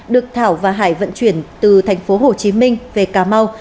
được thảo và hải vận chuyển từ tp hcm về cà mau